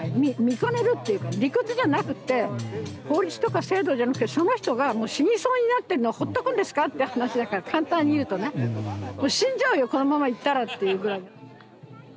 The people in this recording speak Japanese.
見かねるっていうかね理屈じゃなくて法律とか制度じゃなくてその人がもう死にそうになってるのをほっとくんですかって話だから簡単に言うとね死んじゃうよこのままいったらっていうぐらいに。